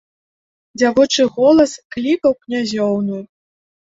Дзявочы голас клікаў князёўну.